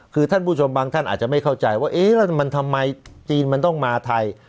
คือท่านผู้ชมบางท่านอาจจะไม่เข้าใจว่าเอ๊ะแล้วมันทำไมจีนมันต้องมาไทย